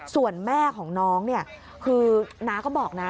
ส่วนแม่ของน้องเนี่ยคือน้าก็บอกนะ